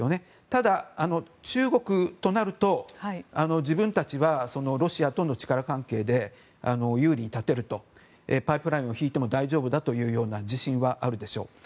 ただ、中国となると自分たちはロシアとの力関係で有利に立てる、パイプラインを引いても大丈夫という自信はあるでしょう。